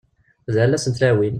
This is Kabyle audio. D lalla-s n tlawin!